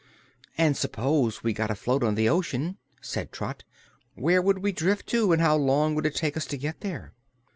"And s'pose we got afloat on the ocean," said Trot, "where would we drift to, and how long would it take us to get there?"